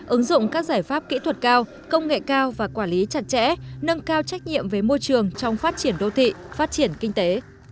ứng dụng các giải pháp kỹ thuật cao công nghệ cao và quản lý chặt chẽ nâng cao trách nhiệm với môi trường trong phát triển đô thị phát triển kinh tế